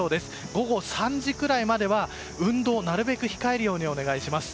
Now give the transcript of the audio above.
午後３時くらいまでは運動をなるべく控えるようにお願いします。